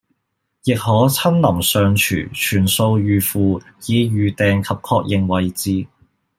亦可親臨尚廚全數預付以預訂及確認座位